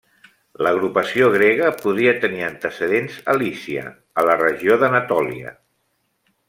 L'agrupació grega podria tenir antecedents a Lícia, a la regió d'Anatòlia.